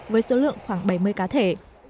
với số lượng khoảng bảy mươi cá thể